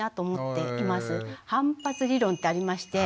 反発理論ってありまして。